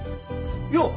よう！